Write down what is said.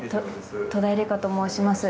戸田恵梨香と申します。